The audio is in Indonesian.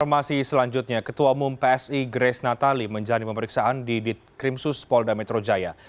informasi selanjutnya ketua umum psi grace natali menjalani pemeriksaan di ditkrimsus polda metro jaya